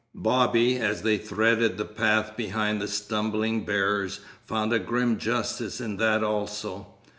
Bobby, as they threaded the path behind the stumbling bearers, found a grim justice in that also.